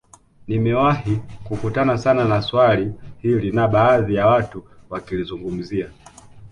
Nimewahi kukutana sana na swali hili na baadhi ya watu wakilizungumzia